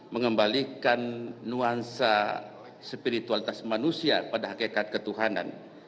mengembalikan nuansa spiritualitas manusia pada hakikat ketuhanan